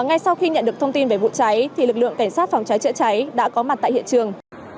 ngay sau khi nhận được thông tin về vụ cháy lực lượng cảnh sát phòng cháy chữa cháy đã có mặt tại hiện trường